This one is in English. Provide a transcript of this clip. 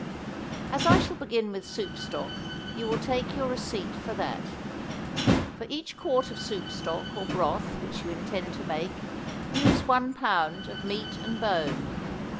As I shall begin with soup stock, you will take your receipt for that. For each quart of soup stock or broth which you intend to make, use one pound of meat and bone.